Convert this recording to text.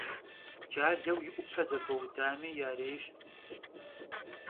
Caleu yi 'Upe zegueudami yarêyş.